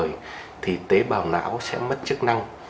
và nếu như cấp cứu kịp thời thì tế bào não sẽ mất chức năng